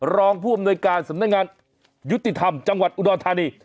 รองผู้อำนวยการสำนักงานยุติธรรมจังหวัดอุดรธานี